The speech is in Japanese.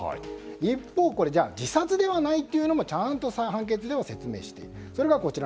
一方、自殺ではないというのもちゃんと判決では説明している。